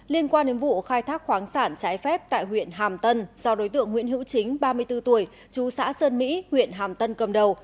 liên quan đến vụ khai thác khoáng sản trái phép tại huyện hàm tân do đối tượng nguyễn hữu chính ba mươi bốn tuổi chú xã sơn mỹ huyện hàm tân cầm đầu